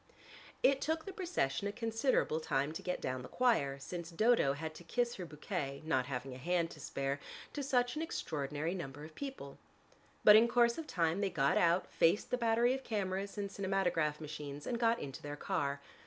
It took the procession a considerable time to get down the choir, since Dodo had to kiss her bouquet (not having a hand to spare) to such an extraordinary number of people. But in course of time they got out, faced the battery of cameras and cinematograph machines, and got into their car.